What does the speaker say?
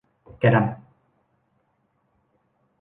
แกะดำ